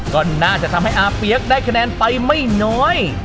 ก็น่าจะทำให้อาเปี๊ยกได้คะแนนไปไม่น้อย